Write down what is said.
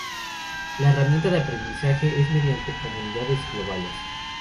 La herramienta de aprendizaje es mediante comunidades globales.